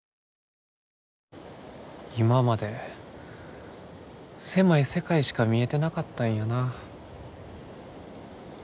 今まで狭い世界しか見えてなかったんやな。